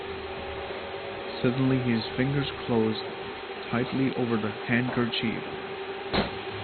Suddenly his fingers closed tightly over the handkerchief.